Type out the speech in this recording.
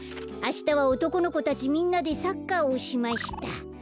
あしたは「おとこの子たちみんなでサッカーをしました」。